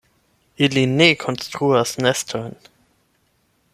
Ili ne konstruas nestojn.